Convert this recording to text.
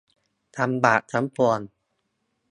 ทำบาปทั้งปวง